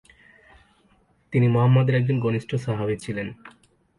তিনি মুহাম্মদ এর একজন ঘনিষ্ঠ সাহাবি ছিলেন।